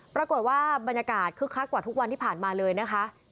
ปรากฏว่าบรรยากาศคึกคักกว่าทุกวันที่ผ่านมาเลยนะคะ